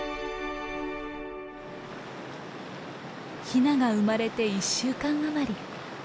ヒナが生まれて１週間余り。